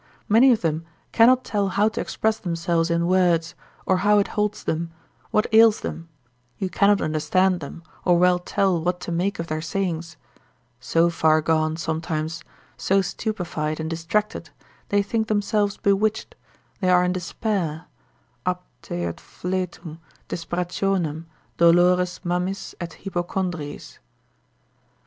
Many of them cannot tell how to express themselves in words, or how it holds them, what ails them, you cannot understand them, or well tell what to make of their sayings; so far gone sometimes, so stupefied and distracted, they think themselves bewitched, they are in despair, aptae ad fletum, desperationem, dolores mammis et hypocondriis.